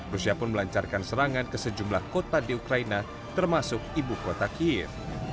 rusia pun melancarkan serangan ke sejumlah kota di ukraina termasuk ibu kota kiev